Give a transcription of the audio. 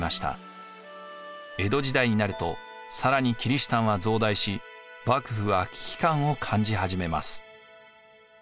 江戸時代になると更にキリシタンは増大し幕府は危機感を感じ始めます。